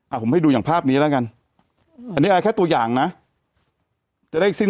ผมให้ดูอย่างภาพนี้แล้วกันอันนี้อะไรแค่ตัวอย่างนะจะได้สิ้น